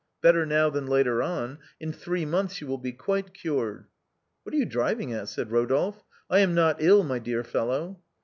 Better now than later on ; in three months you will be quite cured." " What are you driving at ?" said Rodolphe, " I am not ill, my dear fellow."